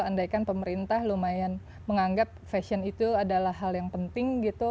andaikan pemerintah lumayan menganggap fashion itu adalah hal yang penting gitu